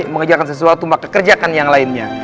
mengerjakan sesuatu maka kerjakan yang lainnya